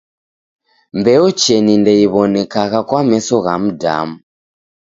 Mbeo cheni ndeiw'onekagha kwa meso gha mdamu.